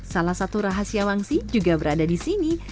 salah satu rahasia wangsi juga berada di sini